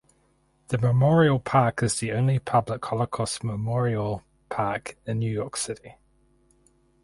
The Memorial Park is the only public Holocaust memorial park in New York City.